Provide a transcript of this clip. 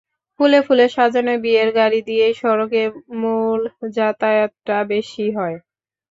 ফুলে ফুলে সাজানো বিয়ের গাড়ি দিয়েই সড়কে মূল যাতায়াতটা বেশি হয়।